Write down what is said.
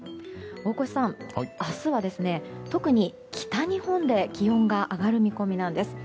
大越さん、明日は特に北日本で気温が上がる見込みなんです。